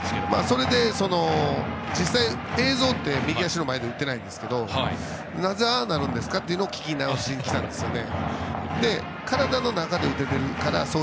それで実際に映像って右足の前で打ってないんですけどなぜああなるんですかと聞き直しに来たんですね。